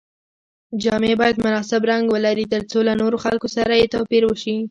جامې باید مناسب رنګ ولري تر څو له نورو خلکو سره یې توپیر وشي.